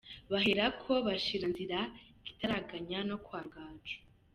Bahera ko bashyira nzira ikitaraganya no kwa Rugaju.